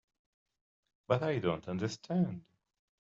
But I don't understand.